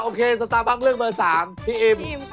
โอเคสตาร์บั๊กเรื่องเบอร์๓พี่อิ็ม